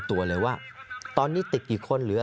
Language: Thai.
สามารถรู้ได้เลยเหรอคะ